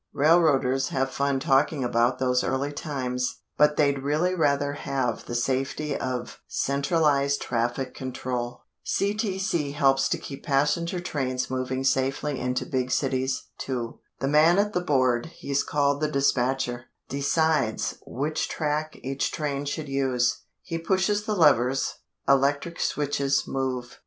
Railroaders have fun talking about those early times, but they'd really rather have the safety of Centralized Traffic Control. CTC helps to keep passenger trains moving safely into big cities, too. The man at the board he's called the dispatcher decides which track each train should use. He pushes the levers. Electric switches move.